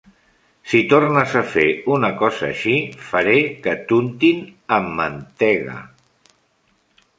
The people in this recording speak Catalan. Si tornes a fer una cosa així, faré que t'untin amb mantega!